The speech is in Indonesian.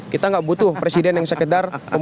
kita nggak butuh presiden yang sekedar